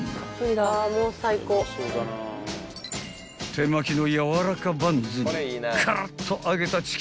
［手巻きのやわらかバンズにからっと揚げたチキンパティ］